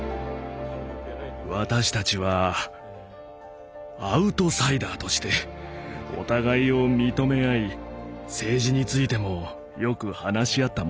私たちはアウトサイダーとしてお互いを認め合い政治についてもよく話し合ったものでした。